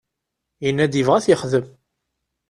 Yenna-d yebɣa ad t-yexdem.